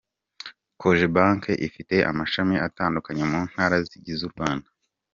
Cogebanke ifite amashami atandukanye mu ntara zigize u Rwanda.